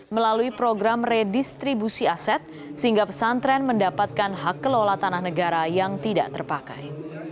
melalui program redistribusi aset sehingga pesantren mendapatkan hak kelola tanah negara yang tidak terpakai